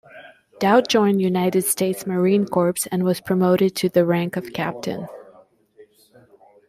Dowd joined United States Marine Corps and was promoted to the rank of captain.